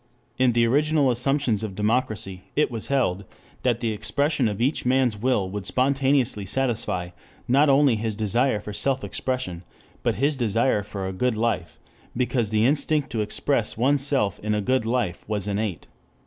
In the original assumptions of democracy it was held that the expression of each man's will would spontaneously satisfy not only his desire for self expression, but his desire for a good life, because the instinct to express one's self in a good life was innate.